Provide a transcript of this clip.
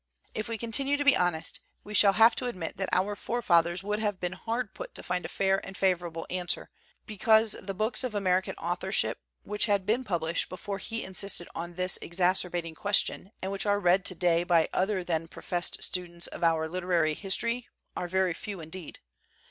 If we continue to be honest we shall have to admit that our forefathers would have been hard put to find a fair and favorable answer, because the books of American authorship which had been published before he insisted on this ex acerbating question and which are read today by other than professed students of our literary history, are very few indeed.